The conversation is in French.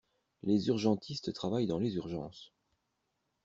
Les urgentistes travaillent dans les urgences.